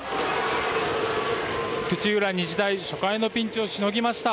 土浦日大初回のピンチをしのぎました。